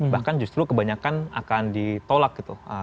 bahkan justru kebanyakan akan ditolak gitu